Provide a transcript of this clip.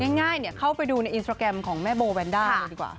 ง่ายเข้าไปดูในอินสตราแกรมของแม่โบแวนด้าเลยดีกว่า